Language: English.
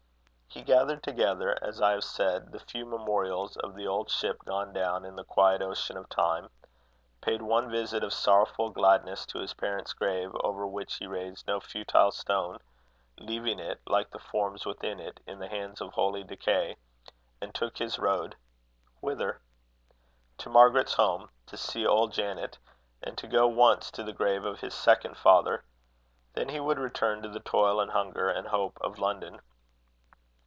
He gathered together, as I have said, the few memorials of the old ship gone down in the quiet ocean of time; paid one visit of sorrowful gladness to his parent's grave, over which he raised no futile stone leaving it, like the forms within it, in the hands of holy decay; and took his road whither? To Margaret's home to see old Janet; and to go once to the grave of his second father. Then he would return to the toil and hunger and hope of London.